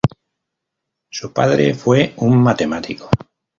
Su padre fue un matemático.